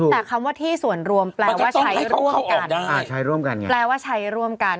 แต่คำว่าที่ส่วนรวมแปลว่าใช้ร่วมกัน